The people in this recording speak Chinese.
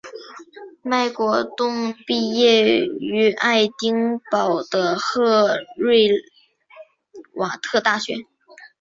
麦国栋毕业于爱丁堡的赫瑞瓦特大学。